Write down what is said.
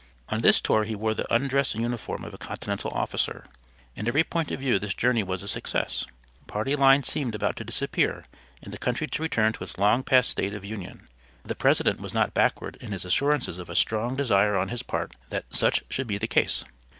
On this tour he wore the undress uniform of a continental officer. In every point of view this journey was a success. Party lines seemed about to disappear and the country to return to its long past state of union. The President was not backward in his assurances of a strong desire on his part that such should be the case.